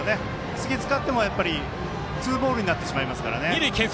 次、使ってもツーボールになってしまいますから。